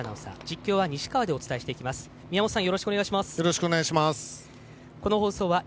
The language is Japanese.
宮本さん、よろしくお願いします。